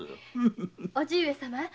伯父上様。